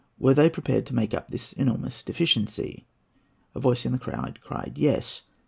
Were they prepared to make up this enormous deficiency? [A voice from the crowd cried "Yes."